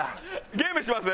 ゲームします？